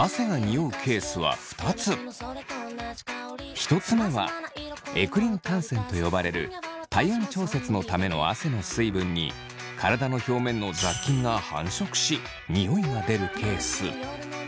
一つ目はエクリン汗腺と呼ばれる体温調節のための汗の水分に体の表面の雑菌が繁殖しニオイが出るケース。